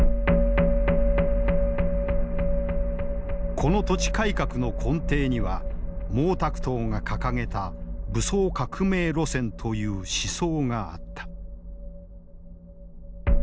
この土地改革の根底には毛沢東が掲げた「武装革命路線」という思想があった。